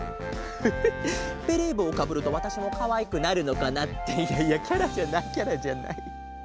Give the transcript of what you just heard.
フフベレーぼうをかぶるとわたしもかわいくなるのかな。っていやいやキャラじゃないキャラじゃない。